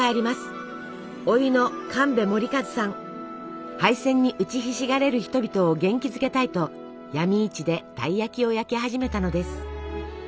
おいの敗戦に打ちひしがれる人々を元気づけたいと闇市でたい焼きを焼き始めたのです。